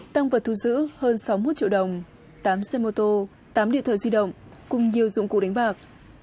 tăng vật thu giữ hơn sáu mươi một triệu đồng tám xe mô tô tám điện thoại di động cùng nhiều dụng cụ đánh bạc